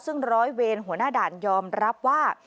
ซึ่งร้อยเวรหัวหน้าด่านยอมรับว่า